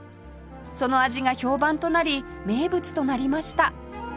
その味が評判となり名物となりました